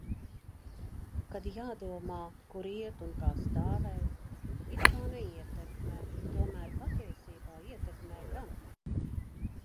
Kad jādomā, kur iet un kā stāvēt... "It kā neietekmē", tomēr patiesībā ietekmē gan.